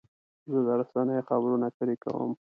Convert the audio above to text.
زه د رسنیو خبرونه شریکوم.